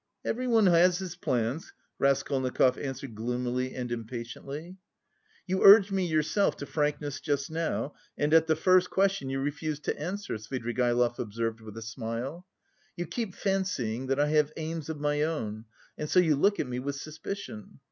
"Everyone has his plans," Raskolnikov answered gloomily and impatiently. "You urged me yourself to frankness just now, and at the first question you refuse to answer," Svidrigaïlov observed with a smile. "You keep fancying that I have aims of my own and so you look at me with suspicion.